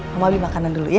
kamu ambil makanan dulu ya